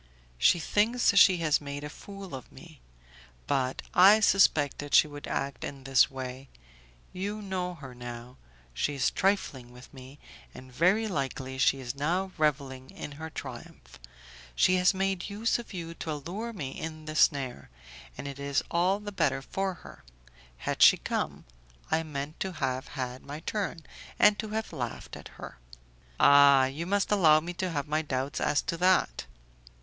"She thinks she has made a fool of me; but I suspected she would act in this way. You know her now. She is trifling with me, and very likely she is now revelling in her triumph. She has made use of you to allure me in the snare, and it is all the better for her; had she come, I meant to have had my turn, and to have laughed at her." "Ah! you must allow me to have my doubts as to that."